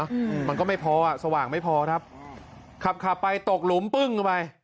อืมมันก็ไม่พออ่ะสว่างไม่พอครับขับขับไปตกหลุมปึ้งเข้าไป